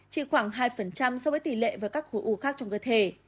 chỉ khoảng hai so với tỷ lệ và các khối u khác trong cơ thể